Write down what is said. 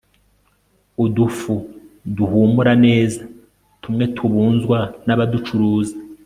udufu duhumura nezatumwe tubunzwa n'abaducuruza